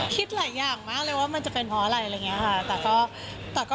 คิดหลายอย่างมากเลยว่ามันจะเป็นเพราะอะไรอะไรอย่างนี้ค่ะ